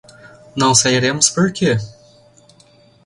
Não sairemos por quê?